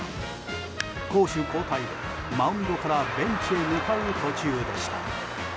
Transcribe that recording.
攻守交代後、マウンドからベンチへ向かう途中でした。